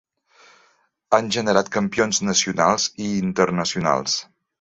Han generat campions nacionals i internacionals.